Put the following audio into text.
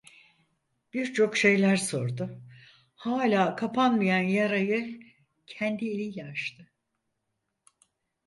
Birçok şeyler sordu, hala kapanmayan yarayı kendi eliyle açtı.